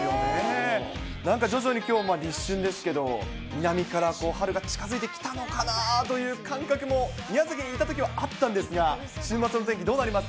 南から春が近づいてきたのかなという感覚も、宮崎にいたときはあったんですが、週末の天気どうなりますか？